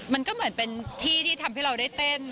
มันก็เหมือนเป็นที่ที่ทำให้เราได้เต้น